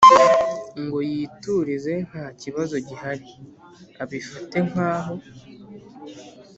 ngo yiturize ntakibazo gihari abifate nkaho